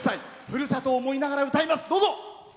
ふるさとを思いながら歌います。